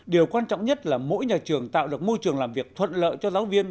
điều quan trọng nhất là mỗi nhà trường tạo được môi trường làm việc thuận lợi cho giáo viên